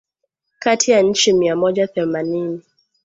kati ya nchi mia moja themanini